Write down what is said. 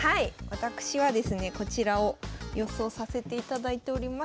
私はですねこちらを予想させていただいております。